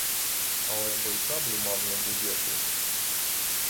Але ж бо й шаблю мав не будь-яку.